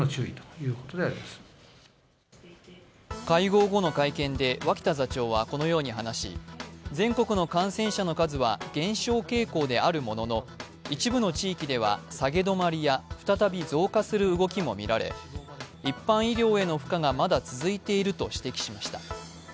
会合後の会見で脇田座長はこのように話し全国の感染者の数は減少傾向であるものの、一部の地域では下げ止まりや再び増加する動きも見られ一般医療への負荷がまだ続いていると指摘しました。